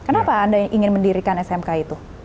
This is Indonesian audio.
kenapa anda ingin mendirikan smk itu